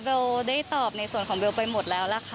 ได้ตอบในส่วนของเบลไปหมดแล้วล่ะค่ะ